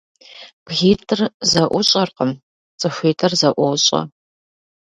БгитIыр зэIущIэркъым, цIыхуитIыр зэIуощIэ.